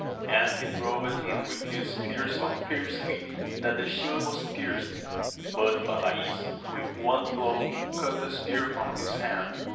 And he drove at him with his spear so fiercely that the shield was pierced ; but Balays with one blow cut the spear from his hand.